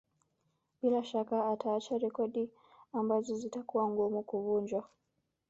Bila shaka ataacha rekodi ambazo zitakuwa ngumu kuvunjwa